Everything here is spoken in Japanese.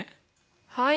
はい。